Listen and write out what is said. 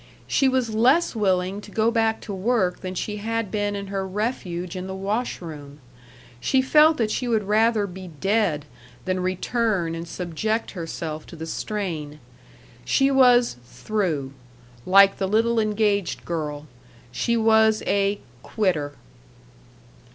She was less willing to go back to work than she had been in her refuge in the wash room. She felt that she would rather be dead than return and subject herself to the strain. She was "through," like the little engaged girl. She was a "quitter."